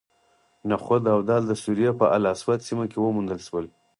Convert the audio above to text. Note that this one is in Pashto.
نخود او دال د سوریې په الاسود سیمه کې وموندل شول.